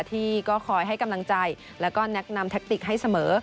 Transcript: ที่ก็คอยให้กำลังใจแล้วก็แนะนำแทคติกให้เสมอ